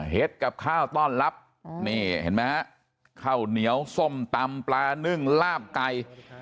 กับข้าวต้อนรับนี่เห็นไหมฮะข้าวเหนียวส้มตำปลานึ่งลาบไก่